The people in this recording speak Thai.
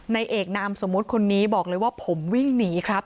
ในเอกนามสมมุติคนนี้บอกเลยว่าผมวิ่งหนีครับ